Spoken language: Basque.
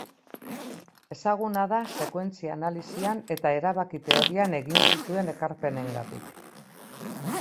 Ezaguna da sekuentzia-analisian eta erabaki-teorian egin zituen ekarpenengatik.